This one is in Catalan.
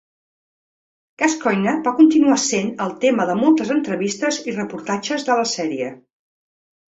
Gascoigne va continuar sent el tema de moltes entrevistes i reportatges de la sèrie.